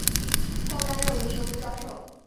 后担任文学部教授。